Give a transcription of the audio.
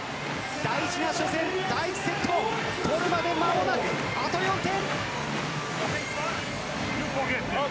大事な初戦、第１セット取るまで間もなくあと４点。